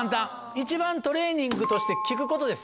一番トレーニングとして聞くことです。